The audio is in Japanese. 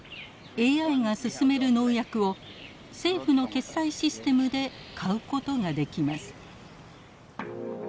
ＡＩが薦める農薬を政府の決済システムで買うことができます。